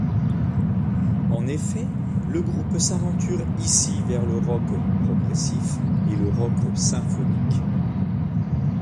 En effet, le groupe s'aventure ici vers le rock progressif et le rock symphonique.